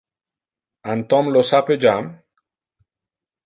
An Tom lo sape jam?